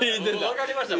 分かりました。